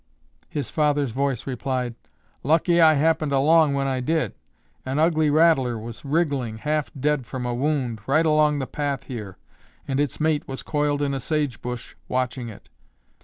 His father's voice replied, "Lucky I happened along when I did. An ugly rattler was wriggling, half dead from a wound, right along the path here and its mate was coiled in a sage bush watching it."